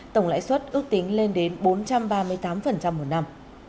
tổng lãi suất ước tính lên đến bốn trăm ba mươi tám một năm